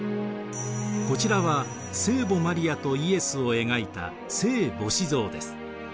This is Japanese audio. こちらは聖母マリアとイエスを描いた聖母子像です。